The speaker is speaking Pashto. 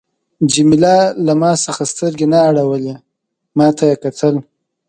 جميله له ما څخه سترګې نه اړولې، ما ته یې کتل.